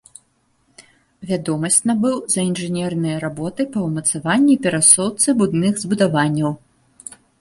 Вядомасць набыў за інжынерныя работы па ўмацаванні і перасоўцы буйных збудаванняў.